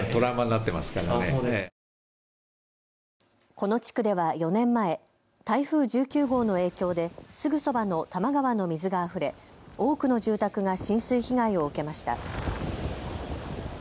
この地区では４年前、台風１９号の影響ですぐそばの多摩川の水があふれ多くの住宅が浸水被害を受けました。